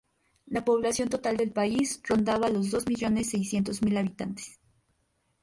La población total del país rondaba los dos millones seiscientos mil habitantes.